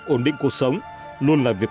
ổn định cuộc sống luôn là việc